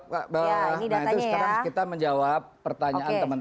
nah itu sekarang kita menjawab pertanyaan teman teman